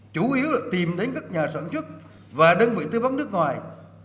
chủ yếu là tìm đến các nhà sản xuất và đơn vị tư vấn nước ngoài